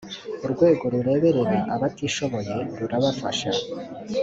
urwego rureberera abatishoboye rurabafasha.